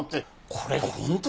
これ本当